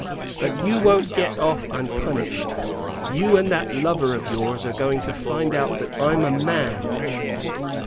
But you won't get off unpunished! You and that lover of yours are going to find out that I'm a man!"